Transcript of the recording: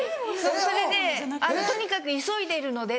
それで「とにかく急いでるので」って。